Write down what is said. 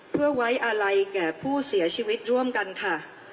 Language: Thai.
เพื่อไว้อาลัยแก่ผู้เสียชีวิตร่วมกันค่ะ